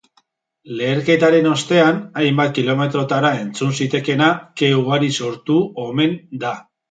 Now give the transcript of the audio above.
Leherketaren ostean, hainbat kilometrotara entzun zitekeena, ke ugari sortu omen da.